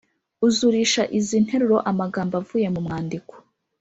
Uzurisha izi nteruro amagambo avuye mu mwandiko